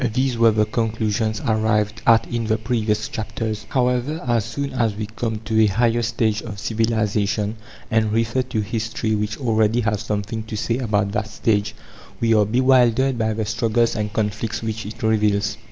These were the conclusions arrived at in the previous chapters. However, as soon as we come to a higher stage of civilization, and refer to history which already has something to say about that stage, we are bewildered by the struggles and conflicts which it reveals.